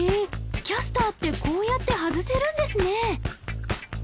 キャスターってこうやって外せるんですね